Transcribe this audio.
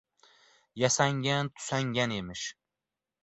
Yasangan-tusangan emish.